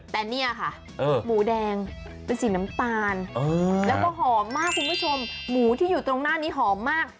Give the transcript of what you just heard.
แต่เนี่ยค่ะหมูแดงเป็นสีน้ำตาลแล้วก็หอมมากคุณผู้ชมหมูที่อยู่ตรงหน้านี้หอมมาก